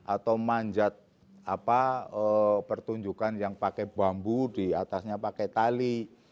atau manjat pertunjukan yang pakai bambu diatasnya pakai tali